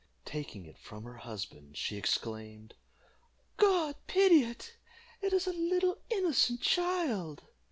Taking it from her husband, she exclaimed "God pity it! It is a little innocent child!"